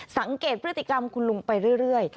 สังเกตพฤติกรรมคุณลุงไปเรื่อย